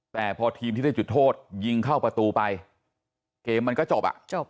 แต่พอทีมที่ได้จุดโทษยิงเข้าประตูไปเกมมันก็จบอ่ะจบ